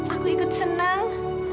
aku ikut senang